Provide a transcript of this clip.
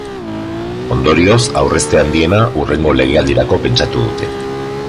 Ondorioz, aurrezte handiena hurrengo legealdirako pentsatu dute.